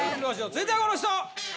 続いてはこの人。